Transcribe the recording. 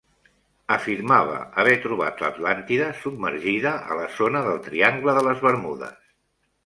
Afirmava haver trobat l'Atlàntida submergida a la zona del Triangle de les Bermudes.